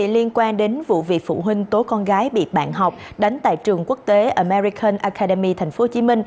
liên quan đến vụ việc phụ huynh tố con gái bị bản học đánh tại trường quốc tế american academy tp hcm